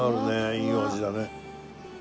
いいお味だね。